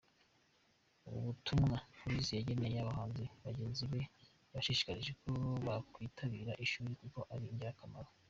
Ubutumwa Khizz yageneye abahanzi bagenzi be, yabashishikarije ko bakwitabira ishuri kuko ari ingirakamaro.